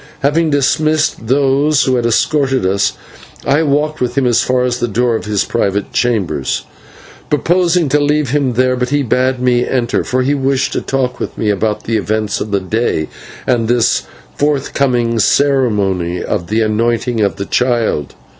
Having dismissed those who had escorted us, I walked with him as far as the door of his private chambers, purposing to leave him there; but he bade me enter, for he wished to talk with me about the events of the day and this forthcoming ceremony of the anointing of the child.